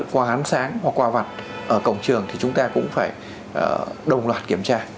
qua án sáng hoặc qua vặt ở cổng trường thì chúng ta cũng phải đồng loạt kiểm tra